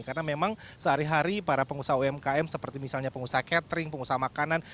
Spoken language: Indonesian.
karena memang sehari hari para pengusaha umkm seperti misalnya pengusaha catering pengusaha makanan